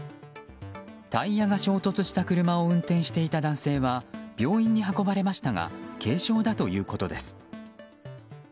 タイヤが衝突した車を運転していた男性は病院に運ばれましたが軽傷だということです。